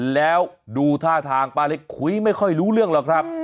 แล้วดูท่าทางป้าเล็กคุยไม่ค่อยรู้เรื่องหรอกครับ